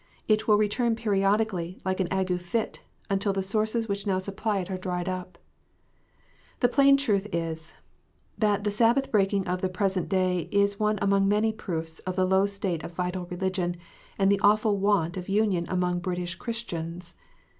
It will return periodically, like an ague fit, until the sources which now supply it are dried up. The plain truth is, that the Sabbath breaking of the present day is one among many proofs of the low state of vital religion, and the awful want of union among British Christians.